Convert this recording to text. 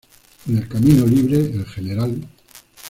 Con el camino libre, el Gral.